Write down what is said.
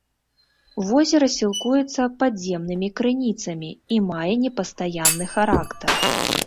Возера сілкуецца падземнымі крыніцамі і мае непастаянны характар.